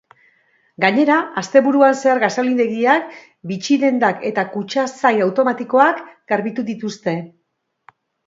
Gainera, asteburuan zehar gasolindegiak, bitxi-dendak eta kutxazain automatikoak garbitu dituzte.